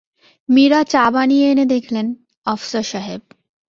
মীরা চা বানিয়ে এনে দেখলেন, আফসার সাহেব।